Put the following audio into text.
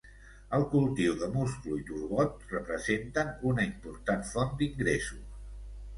El cultiu de musclo i turbot representen una important font d'ingressos.